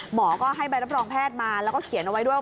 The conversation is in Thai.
หมอก็ให้ใบรับรองแพทย์มาแล้วก็เขียนเอาไว้ด้วย